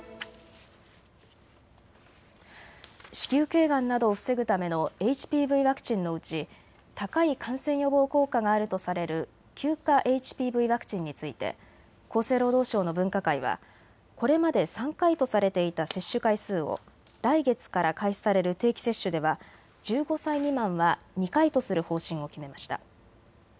子宮けいがんなどを防ぐためのＨＰＶワクチンのうち高い感染予防効果があるとされる９価ＨＰＶワクチンについて厚生労働省の分科会はこれまで３回とされていた接種回数を来月から開始される定期接種では１５歳未満は２回とする方針を決めました。